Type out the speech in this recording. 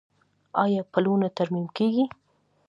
آیا پلونه ترمیم کیږي؟